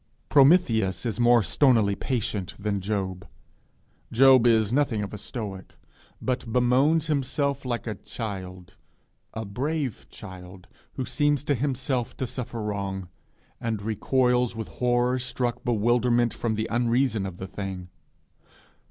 Prometheus is more stonily patient than Job. Job is nothing of a Stoic, but bemoans himself like a child a brave child who seems to himself to suffer wrong, and recoils with horror struck bewilderment from the unreason of the thing.